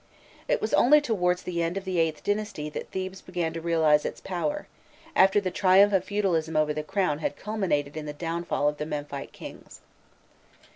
It was only towards the end of the VIIIth dynasty that Thebes began to realize its power, after the triumph of feudalism over the crown had culminated in the downfall of the Memphite kings.